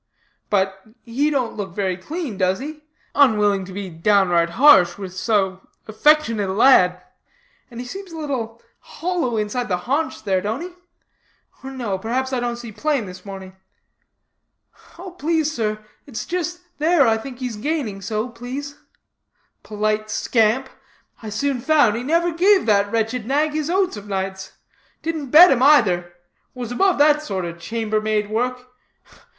'But, he don't look very clean, does he?' unwilling to be downright harsh with so affectionate a lad; 'and he seems a little hollow inside the haunch there, don't he? or no, perhaps I don't see plain this morning.' 'Oh, please sir, it's just there I think he's gaining so, please.' Polite scamp! I soon found he never gave that wretched nag his oats of nights; didn't bed him either. Was above that sort of chambermaid work.